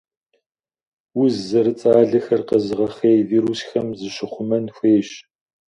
Уз зэрыцӏалэхэр къэзыгъэхъей вирусхэм зыщыхъумэн хуейщ.